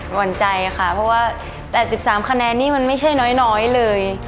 วันใจค่ะเพราะว่า๘๓คะแนนนี่มันไม่ใช่น้อยเลย